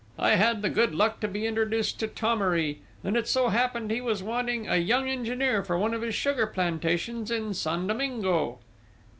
I had the good luck to be introduced to Thomery, and it so happened he was wanting a young engineer for one of his sugar plantations in San Domingo."